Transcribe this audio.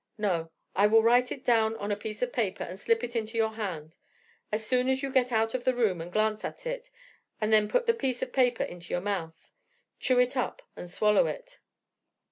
No, I will write it down on a piece of paper, and slip it into your hand. As soon as you get out of the room you glance at it, and then put the piece of paper into your mouth, chew it up and swallow it.